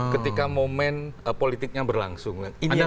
ketika momen politiknya berlangsung